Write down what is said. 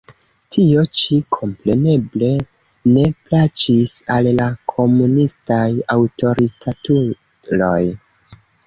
Tio-ĉi, kompreneble, ne plaĉis al la komunistaj aŭtoritatuloj.